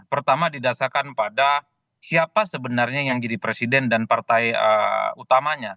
pertama didasarkan pada siapa sebenarnya yang jadi presiden dan partai utamanya